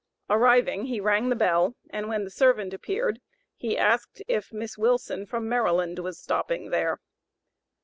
Arriving, he rang the bell, and when the servant appeared, he asked if Miss Wilson, from Maryland, was stopping there.